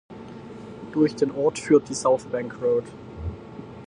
Durch den Ort führt die South Bank Road.